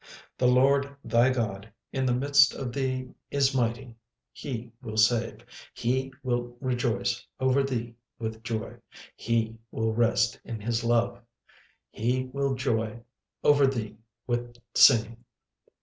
36:003:017 The LORD thy God in the midst of thee is mighty; he will save, he will rejoice over thee with joy; he will rest in his love, he will joy over thee with singing.